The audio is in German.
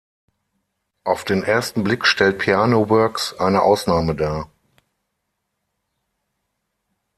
Auf den ersten Blick stellt "Piano Works" eine Ausnahme dar.